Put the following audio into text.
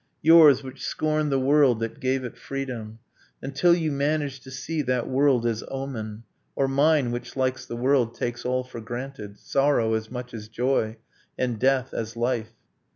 Yours, which scorned the world that gave it freedom, Until you managed to see that world as omen, Or mine, which likes the world, takes all for granted, Sorrow as much as joy, and death as life?